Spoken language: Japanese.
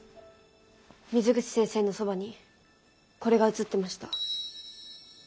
水口先生のそばにこれが映ってました。